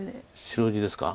白地ですか？